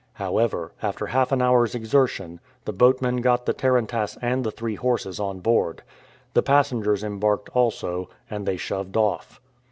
However, after half an hour's exertion, the boatmen got the tarantass and the three horses on board. The passengers embarked also, and they shoved off.